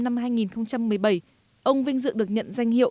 năm hai nghìn một mươi bảy ông vinh dự được nhận danh hiệu